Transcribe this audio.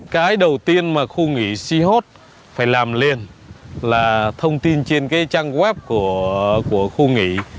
cái đầu tiên mà khu nghỉ seahod phải làm liền là thông tin trên cái trang web của khu nghỉ